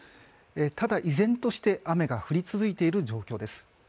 ただ、依然として雨が降り続いている状況です。